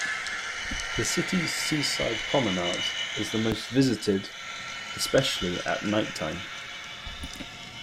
The city's seaside promenade is the most visited, especially at night-time.